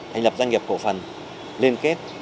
thành lập doanh nghiệp cổ phần liên kết